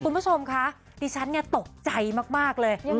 คุณผู้ชมคะดิฉันตกใจมากเลย